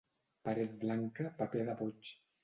Paret blanca, paper de boig.